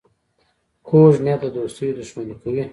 کوږ نیت د دوستۍ دښمني کوي